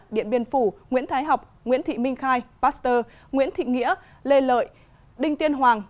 điện biên phủ nguyễn thái học nguyễn thị minh khai pasteur nguyễn thị nghĩa lê lợi đinh tiên hoàng